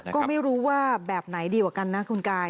ก็ไม่รู้ว่าแบบไหนดีกว่ากันนะคุณกาย